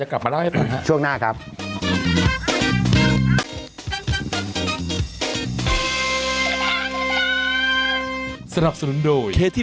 จะกลับมาเล่าให้ก่อนค่ะ